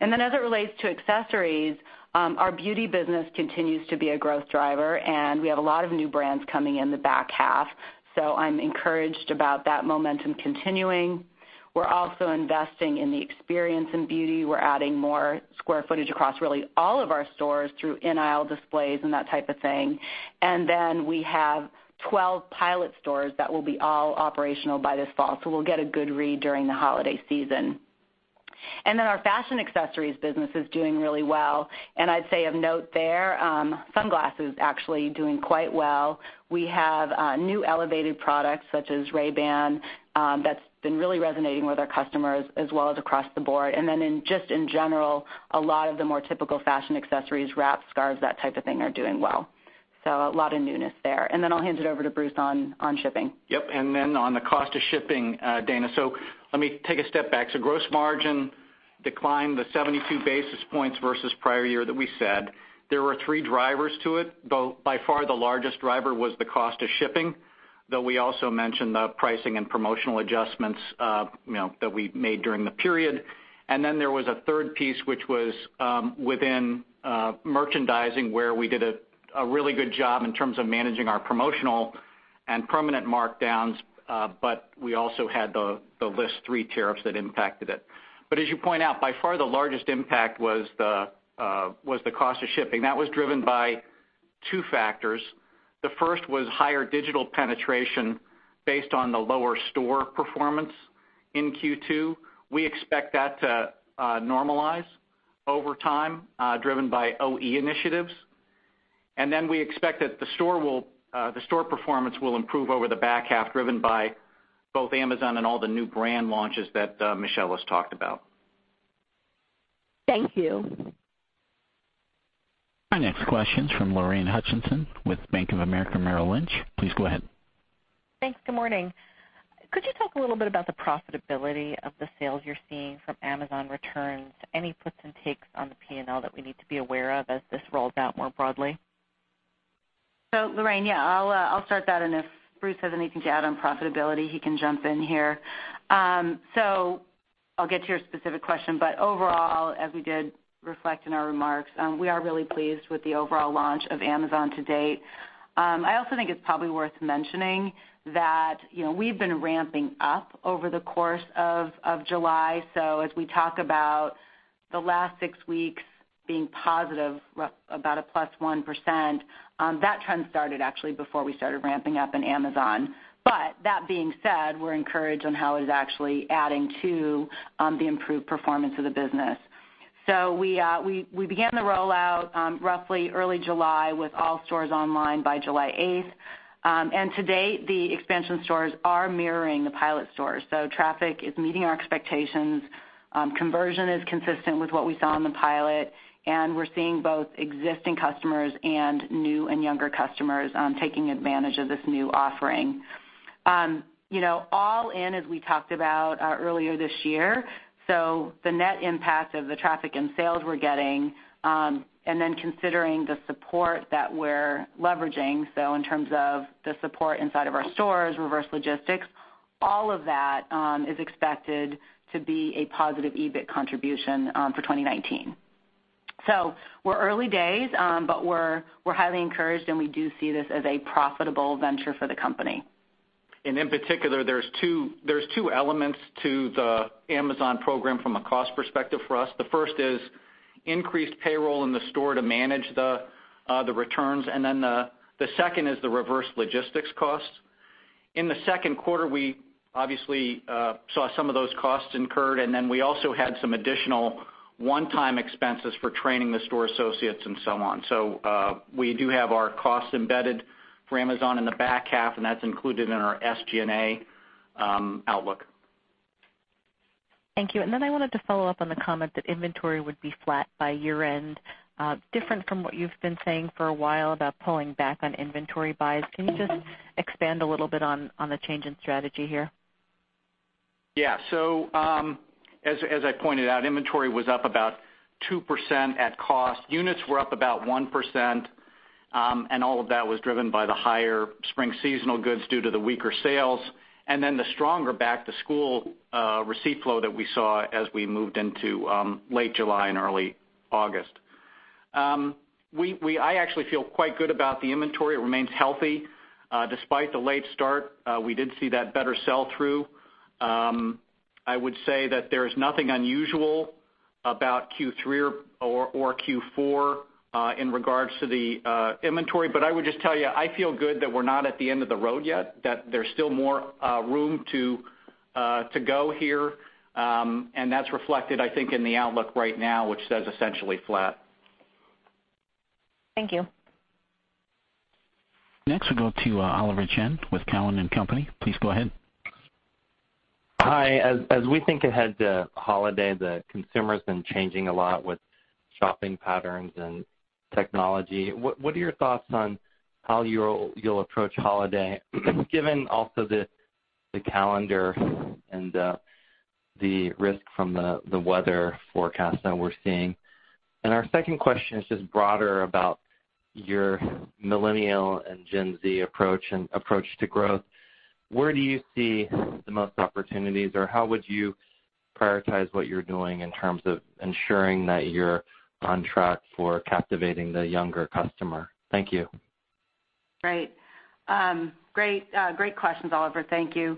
As it relates to accessories, our beauty business continues to be a growth driver, and we have a lot of new brands coming in the back half. I'm encouraged about that momentum continuing. We're also investing in the experience in beauty. We're adding more square footage across really all of our stores through in-aisle displays and that type of thing. We have 12 pilot stores that will be all operational by this fall. We'll get a good read during the holiday season. Our fashion accessories business is doing really well. I'd say of note there, sunglasses are actually doing quite well. We have new elevated products such as Ray-Ban that's been really resonating with our customers as well as across the board. Just in general, a lot of the more typical fashion accessories, wraps, scarves, that type of thing are doing well. A lot of newness there. I'll hand it over to Bruce on shipping. Yep. On the cost of shipping, Dana, let me take a step back. Gross margin declined the 72 basis points versus prior year that we said. There were three drivers to it. By far, the largest driver was the cost of shipping, though we also mentioned the pricing and promotional adjustments that we made during the period. There was a third piece, which was within merchandising, where we did a really good job in terms of managing our promotional and permanent markdowns, but we also had the list three tariffs that impacted it. As you point out, by far, the largest impact was the cost of shipping. That was driven by two factors. The first was higher digital penetration based on the lower store performance in Q2. We expect that to normalize over time, driven by OE initiatives. Then we expect that the store performance will improve over the back half, driven by both Amazon and all the new brand launches that Michelle has talked about. Thank you. Our next question is from Lorraine Hutchinson with Bank of America, Merrill Lynch. Please go ahead. Thanks. Good morning. Could you talk a little bit about the profitability of the sales you're seeing from Amazon returns? Any puts and takes on the P&L that we need to be aware of as this rolls out more broadly? Lorraine, yeah, I'll start that. If Bruce has anything to add on profitability, he can jump in here. I'll get to your specific question. Overall, as we did reflect in our remarks, we are really pleased with the overall launch of Amazon to date. I also think it's probably worth mentioning that we've been ramping up over the course of July. As we talk about the last six weeks being positive, about a plus 1%, that trend started actually before we started ramping up in Amazon. That being said, we're encouraged on how it is actually adding to the improved performance of the business. We began the rollout roughly early July with all stores online by July 8. To date, the expansion stores are mirroring the pilot stores. Traffic is meeting our expectations. Conversion is consistent with what we saw in the pilot. We're seeing both existing customers and new and younger customers taking advantage of this new offering. All in, as we talked about earlier this year, the net impact of the traffic and sales we're getting, and then considering the support that we're leveraging, in terms of the support inside of our stores, reverse logistics, all of that is expected to be a positive EBIT contribution for 2019. We're early days, but we're highly encouraged, and we do see this as a profitable venture for the company. In particular, there are two elements to the Amazon program from a cost perspective for us. The first is increased payroll in the store to manage the returns. The second is the reverse logistics costs. In the second quarter, we obviously saw some of those costs incurred. We also had some additional one-time expenses for training the store associates and so on. We do have our costs embedded for Amazon in the back half, and that's included in our SG&A outlook. Thank you. I wanted to follow up on the comment that inventory would be flat by year-end, different from what you've been saying for a while about pulling back on inventory buys. Can you just expand a little bit on the change in strategy here? Yeah. As I pointed out, inventory was up about 2% at cost. Units were up about 1%. All of that was driven by the higher spring seasonal goods due to the weaker sales. The stronger back-to-school receipt flow that we saw as we moved into late July and early August also contributed. I actually feel quite good about the inventory. It remains healthy. Despite the late start, we did see that better sell-through. I would say that there's nothing unusual about Q3 or Q4 in regards to the inventory. I would just tell you, I feel good that we're not at the end of the road yet, that there's still more room to go here. That's reflected, I think, in the outlook right now, which says essentially flat. Thank you. Next, we'll go to Oliver Chen with Cowen and Company. Please go ahead. Hi. As we think ahead to holiday, the consumer has been changing a lot with shopping patterns and technology. What are your thoughts on how you'll approach holiday, given also the calendar and the risk from the weather forecast that we're seeing? Our second question is just broader about your millennial and Gen Z approach to growth. Where do you see the most opportunities, or how would you prioritize what you're doing in terms of ensuring that you're on track for captivating the younger customer? Thank you. Great. Great questions, Oliver. Thank you.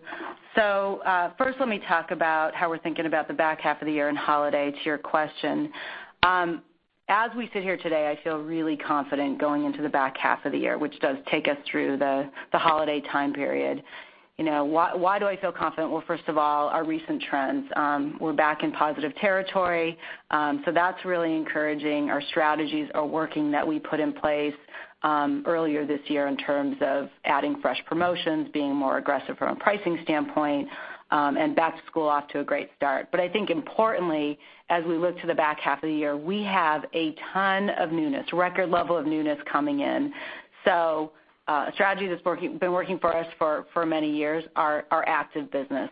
First, let me talk about how we're thinking about the back half of the year and holiday to your question. As we sit here today, I feel really confident going into the back half of the year, which does take us through the holiday time period. Why do I feel confident? First of all, our recent trends. We're back in positive territory. That's really encouraging. Our strategies are working that we put in place earlier this year in terms of adding fresh promotions, being more aggressive from a pricing standpoint, and back to school off to a great start. I think, importantly, as we look to the back half of the year, we have a ton of newness, record level of newness coming in. Strategies that have been working for us for many years are active business.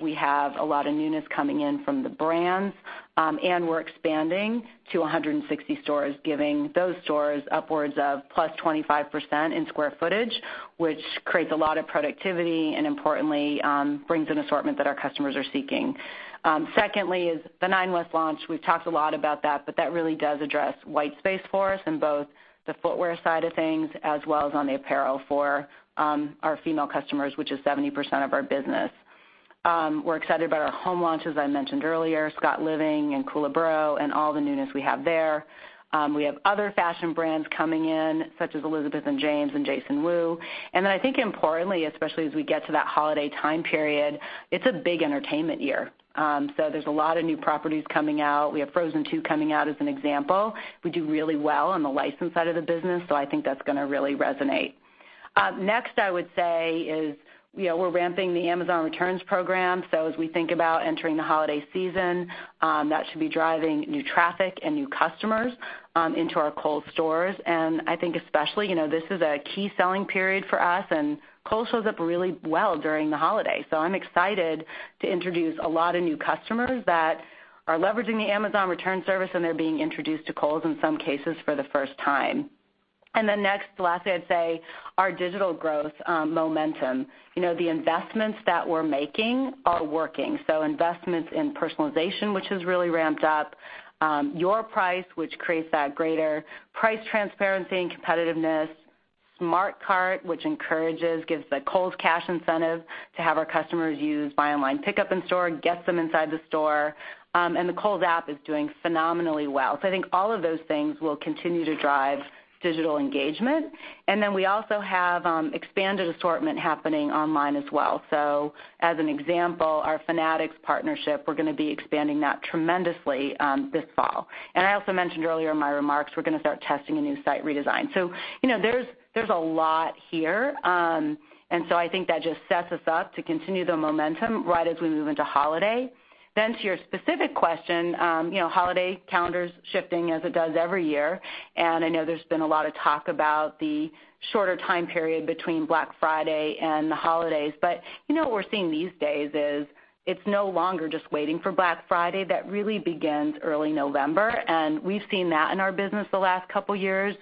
We have a lot of newness coming in from the brands, and we're expanding to 160 stores, giving those stores upwards of plus 25% in square footage, which creates a lot of productivity and, importantly, brings an assortment that our customers are seeking. Secondly, is the Nine West launch. We've talked a lot about that, but that really does address white space for us in both the footwear side of things as well as on the apparel for our female customers, which is 70% of our business. We're excited about our home launch, as I mentioned earlier, Scott Living and Kohl & Bro, and all the newness we have there. We have other fashion brands coming in, such as Elizabeth and James and Jason Wu. I think, importantly, especially as we get to that holiday time period, it's a big entertainment year. There are a lot of new properties coming out. We have Frozen II coming out as an example. We do really well on the license side of the business, so I think that's going to really resonate. Next, I would say is we're ramping the Amazon returns program. As we think about entering the holiday season, that should be driving new traffic and new customers into our Kohl's stores. I think, especially, this is a key selling period for us, and Kohl's shows up really well during the holiday. I'm excited to introduce a lot of new customers that are leveraging the Amazon return service, and they're being introduced to Kohl's in some cases for the first time. Next, lastly, I'd say our digital growth momentum. The investments that we're making are working. Investments in personalization, which has really ramped up, your price, which creates that greater price transparency and competitiveness, SmartCart, which encourages, gives the Kohl's Cash incentive to have our customers use buy-online pickup in store, gets them inside the store. The Kohl's app is doing phenomenally well. I think all of those things will continue to drive digital engagement. We also have expanded assortment happening online as well. As an example, our Fanatics partnership, we're going to be expanding that tremendously this fall. I also mentioned earlier in my remarks, we're going to start testing a new site redesign. There is a lot here. I think that just sets us up to continue the momentum right as we move into holiday. To your specific question, holiday calendar's shifting as it does every year. I know there's been a lot of talk about the shorter time period between Black Friday and the holidays. What we're seeing these days is it's no longer just waiting for Black Friday. That really begins early November. We've seen that in our business the last couple of years.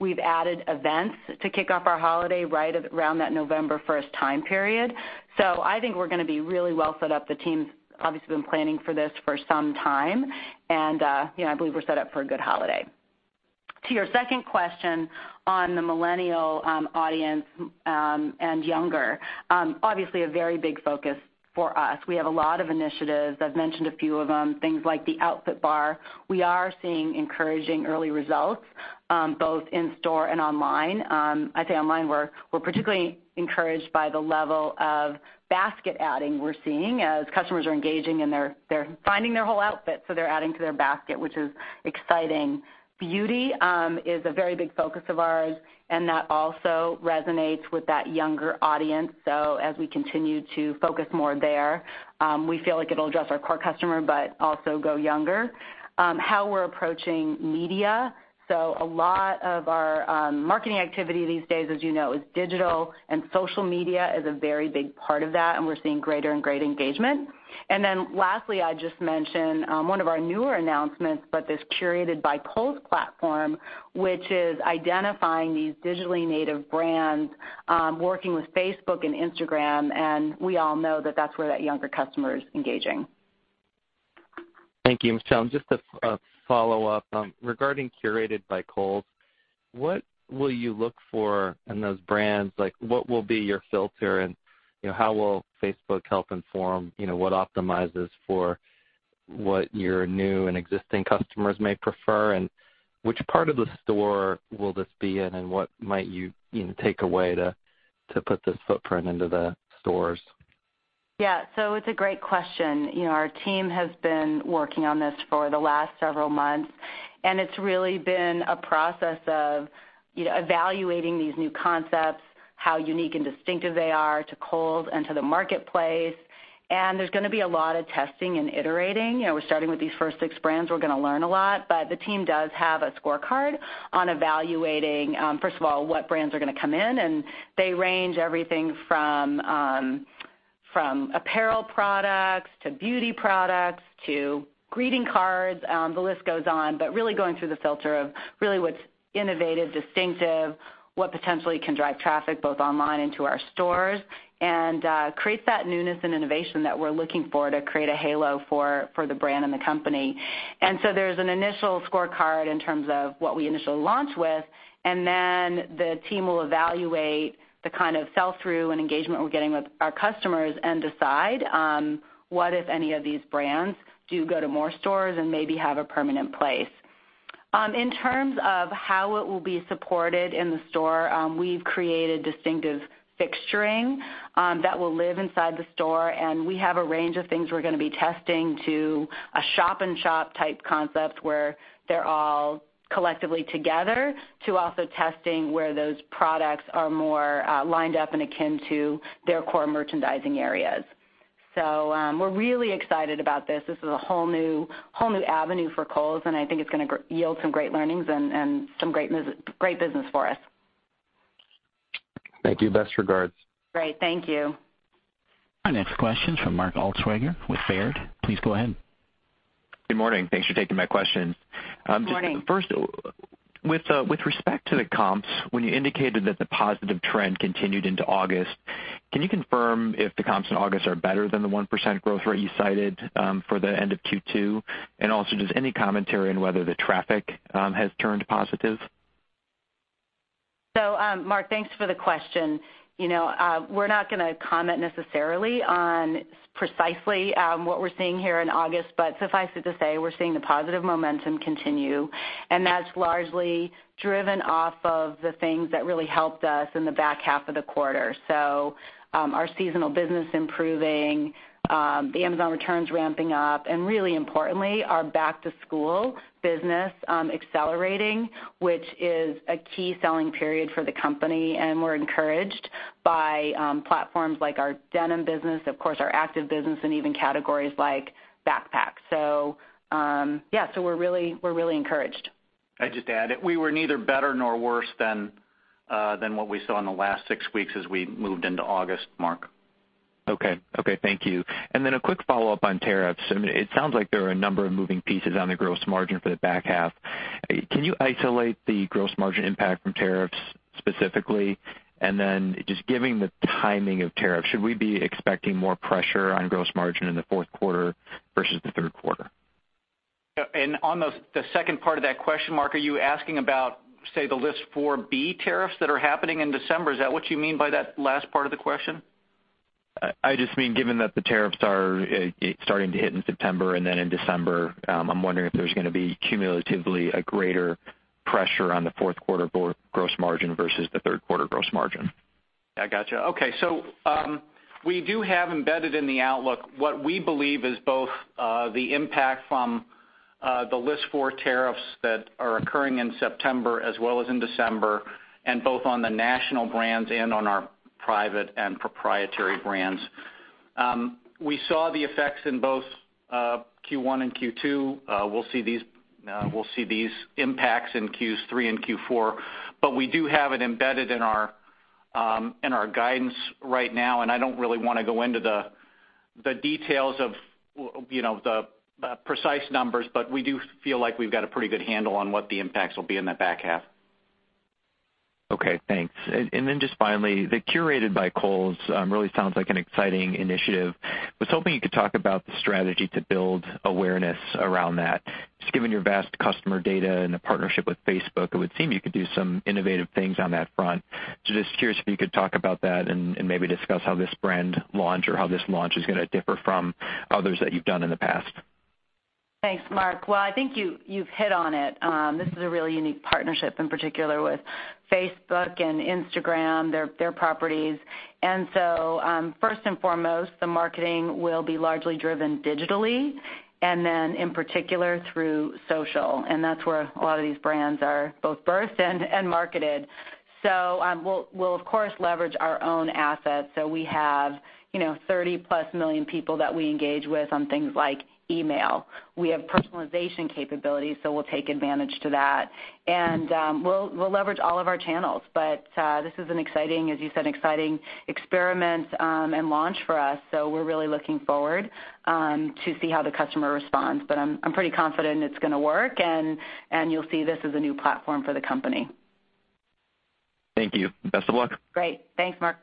We've added events to kick off our holiday right around that November 1 time period. I think we're going to be really well set up. The team's obviously been planning for this for some time. I believe we're set up for a good holiday. To your second question on the millennial audience and younger, obviously, a very big focus for us. We have a lot of initiatives. I've mentioned a few of them, things like the outfit bar. We are seeing encouraging early results, both in store and online. I say online. We're particularly encouraged by the level of basket adding we're seeing as customers are engaging and they're finding their whole outfit. They're adding to their basket, which is exciting. Beauty is a very big focus of ours, and that also resonates with that younger audience. As we continue to focus more there, we feel like it'll address our core customer, but also go younger. How we're approaching media. A lot of our marketing activity these days, as you know, is digital, and social media is a very big part of that, and we're seeing greater and greater engagement. Lastly, I just mentioned one of our newer announcements, but this Curated by Kohl's platform, which is identifying these digitally native brands, working with Facebook and Instagram. We all know that that's where that younger customer is engaging. Thank you. Michelle, just a follow-up. Regarding Curated by Kohl's, what will you look for in those brands? What will be your filter, and how will Facebook help inform what optimizes for what your new and existing customers may prefer? Which part of the store will this be in, and what might you take away to put this footprint into the stores? Yeah. It's a great question. Our team has been working on this for the last several months, and it's really been a process of evaluating these new concepts, how unique and distinctive they are to Kohl's and to the marketplace. There is going to be a lot of testing and iterating. We're starting with these first six brands. We're going to learn a lot. The team does have a scorecard on evaluating, first of all, what brands are going to come in. They range everything from apparel products to beauty products to greeting cards. The list goes on, but really going through the filter of really what's innovative, distinctive, what potentially can drive traffic both online into our stores, and creates that newness and innovation that we're looking for to create a halo for the brand and the company. There is an initial scorecard in terms of what we initially launch with. The team will evaluate the kind of sell-through and engagement we're getting with our customers and decide what, if any, of these brands do go to more stores and maybe have a permanent place. In terms of how it will be supported in the store, we've created distinctive fixturing that will live inside the store. We have a range of things we're going to be testing to a shop-and-shop type concept where they're all collectively together to also testing where those products are more lined up and akin to their core merchandising areas. We're really excited about this. This is a whole new avenue for Kohl's, and I think it's going to yield some great learnings and some great business for us. Thank you. Best regards. Great. Thank you. Our next question is from Mark Altschwager with Baird. Please go ahead. Good morning. Thanks for taking my question. Good morning. First, with respect to the comps, when you indicated that the positive trend continued into August, can you confirm if the comps in August are better than the 1% growth rate you cited for the end of Q2? Also, just any commentary on whether the traffic has turned positive? Mark, thanks for the question. We're not going to comment necessarily on precisely what we're seeing here in August, but suffice it to say, we're seeing the positive momentum continue. That is largely driven off of the things that really helped us in the back half of the quarter. Our seasonal business improving, the Amazon returns ramping up, and really importantly, our back-to-school business accelerating, which is a key selling period for the company. We're encouraged by platforms like our denim business, of course, our active business, and even categories like backpack. Yeah, we're really encouraged. I'd just add, we were neither better nor worse than what we saw in the last six weeks as we moved into August, Mark. Okay. Thank you. A quick follow-up on tariffs. It sounds like there are a number of moving pieces on the gross margin for the back half. Can you isolate the gross margin impact from tariffs specifically? Just given the timing of tariffs, should we be expecting more pressure on gross margin in the fourth quarter versus the third quarter? On the second part of that question, Mark, are you asking about, say, the list four B tariffs that are happening in December? Is that what you mean by that last part of the question? I just mean, given that the tariffs are starting to hit in September and then in December, I'm wondering if there's going to be cumulatively a greater pressure on the fourth quarter gross margin versus the third quarter gross margin. I gotcha. Okay. We do have embedded in the outlook what we believe is both the impact from the list four tariffs that are occurring in September as well as in December, and both on the national brands and on our private and proprietary brands. We saw the effects in both Q1 and Q2. We'll see these impacts in Q3 and Q4. We do have it embedded in our guidance right now. I don't really want to go into the details of the precise numbers, but we do feel like we've got a pretty good handle on what the impacts will be in that back half. Okay. Thanks. And then just finally, the Curated by Kohl's really sounds like an exciting initiative. I was hoping you could talk about the strategy to build awareness around that. Just given your vast customer data and the partnership with Facebook, it would seem you could do some innovative things on that front. Just curious if you could talk about that and maybe discuss how this brand launch or how this launch is going to differ from others that you've done in the past. Thanks, Mark. I think you've hit on it. This is a really unique partnership, in particular, with Facebook and Instagram, their properties. First and foremost, the marketing will be largely driven digitally and then, in particular, through social. That's where a lot of these brands are both birthed and marketed. We'll, of course, leverage our own assets. We have 30-plus million people that we engage with on things like email. We have personalization capabilities, so we'll take advantage of that. We'll leverage all of our channels. This is an exciting, as you said, an exciting experiment and launch for us. We're really looking forward to see how the customer responds. I'm pretty confident it's going to work, and you'll see this as a new platform for the company. Thank you. Best of luck. Great. Thanks, Mark.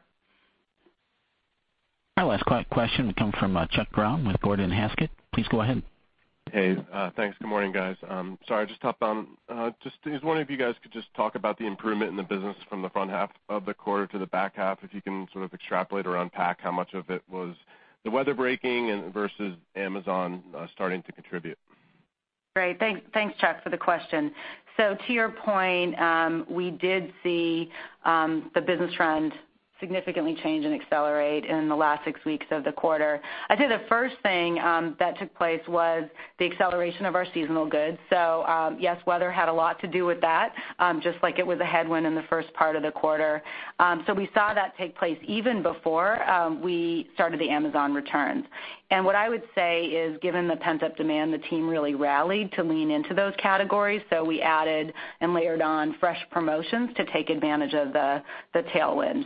Our last question will come from Charles Grom with Gordon Haskett. Please go ahead. Hey. Thanks. Good morning, guys. Sorry, I just hopped on. Just was wondering if you guys could just talk about the improvement in the business from the front half of the quarter to the back half, if you can sort of extrapolate or unpack how much of it was the weather breaking versus Amazon starting to contribute. Great. Thanks, Charles, for the question. To your point, we did see the business trend significantly change and accelerate in the last six weeks of the quarter. I'd say the first thing that took place was the acceleration of our seasonal goods. Yes, weather had a lot to do with that, just like it was a headwind in the first part of the quarter. We saw that take place even before we started the Amazon returns. What I would say is, given the pent-up demand, the team really rallied to lean into those categories. We added and layered on fresh promotions to take advantage of the tailwind.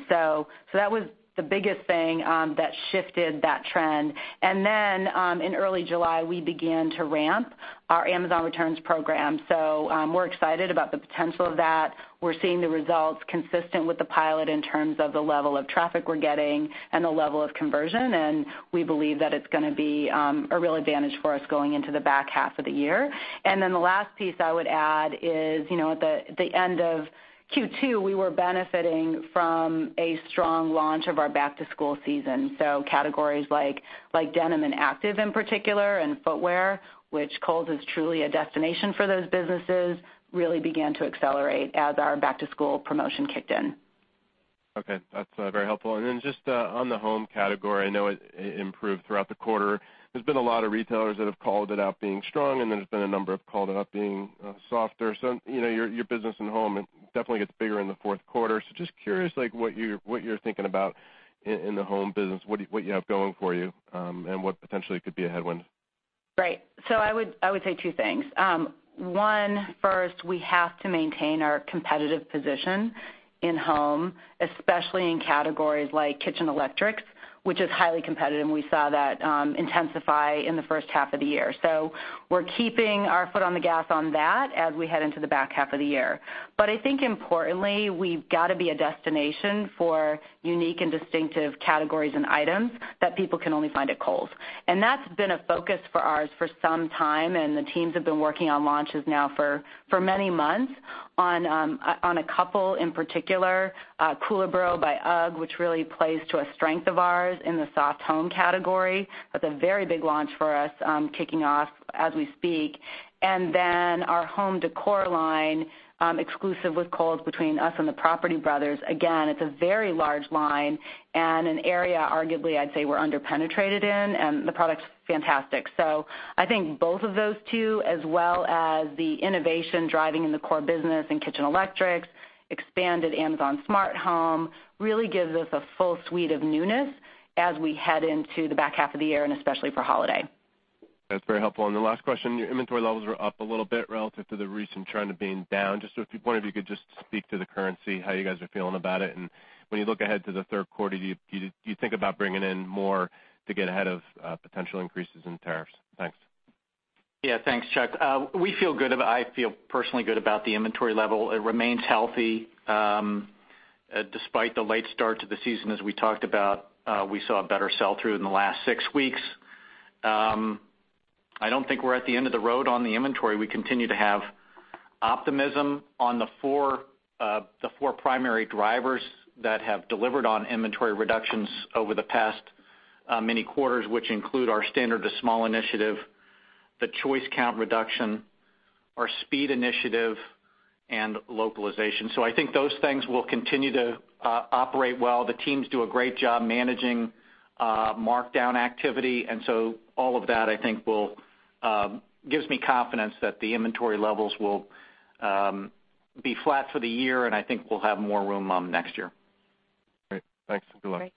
That was the biggest thing that shifted that trend. In early July, we began to ramp our Amazon returns program. We're excited about the potential of that. We're seeing the results consistent with the pilot in terms of the level of traffic we're getting and the level of conversion. We believe that it's going to be a real advantage for us going into the back half of the year. The last piece I would add is, at the end of Q2, we were benefiting from a strong launch of our back-to-school season. Categories like denim and active, in particular, and footwear, which Kohl's is truly a destination for those businesses, really began to accelerate as our back-to-school promotion kicked in. Okay. That's very helpful. Just on the home category, I know it improved throughout the quarter. There's been a lot of retailers that have called it out being strong, and there's been a number of calls about being softer. Your business in home definitely gets bigger in the fourth quarter. Just curious what you're thinking about in the home business, what you have going for you, and what potentially could be a headwind. Right. I would say two things. One, first, we have to maintain our competitive position in home, especially in categories like kitchen electrics, which is highly competitive. We saw that intensify in the first half of the year. We're keeping our foot on the gas on that as we head into the back half of the year. I think, importantly, we've got to be a destination for unique and distinctive categories and items that people can only find at Kohl's. That's been a focus of ours for some time. The teams have been working on launches now for many months on a couple in particular, Koolaburra by UGG, which really plays to a strength of ours in the soft home category. That's a very big launch for us kicking off as we speak. Our home decor line is exclusive with Kohl's between us and the Property Brothers. Again, it's a very large line and an area, arguably, I'd say we're under-penetrated in, and the product's fantastic. I think both of those two, as well as the innovation driving in the core business and kitchen electrics, expanded Amazon Smart Home, really gives us a full suite of newness as we head into the back half of the year, and especially for holiday. That's very helpful. The last question, your inventory levels were up a little bit relative to the recent trend of being down. Just if you want to, if you could just speak to the currency, how you guys are feeling about it. When you look ahead to the third quarter, do you think about bringing in more to get ahead of potential increases in tariffs? Thanks. Yeah. Thanks, Charles. We feel good about—I feel personally good about the inventory level. It remains healthy despite the late start to the season, as we talked about. We saw a better sell-through in the last six weeks. I do not think we are at the end of the road on the inventory. We continue to have optimism on the four primary drivers that have delivered on inventory reductions over the past many quarters, which include our standard to small initiative, the choice count reduction, our speed initiative, and localization. I think those things will continue to operate well. The teams do a great job managing markdown activity. All of that, I think, gives me confidence that the inventory levels will be flat for the year, and I think we will have more room next year. Great. Thanks. Good luck. Great.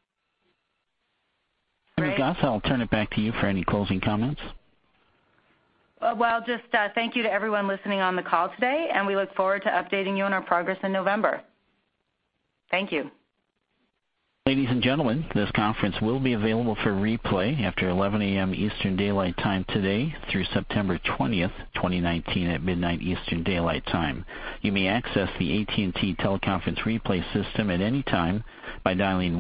Great. Gotha, I will turn it back to you for any closing comments. Thank you to everyone listening on the call today, and we look forward to updating you on our progress in November. Thank you. Ladies and gentlemen, this conference will be available for replay after 11:00 A.M. Eastern Daylight Time today through September 20, 2019, at midnight Eastern Daylight Time. You may access the AT&T teleconference replay system at any time by dialing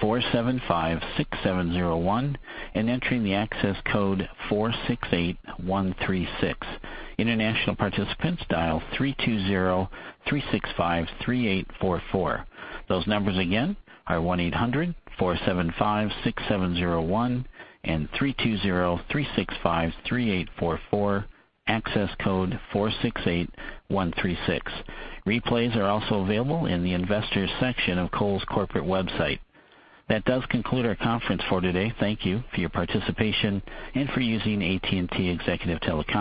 1-800-475-6701 and entering the access code 468136. International participants dial 320-365-3844. Those numbers again are 1-800-475-6701 and 320-365-3844, access code 468136. Replays are also available in the investor section of Kohl's corporate website. That does conclude our conference for today. Thank you for your participation and for using AT&T Executive Telecom.